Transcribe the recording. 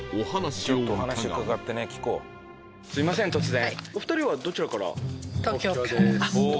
すいません突然。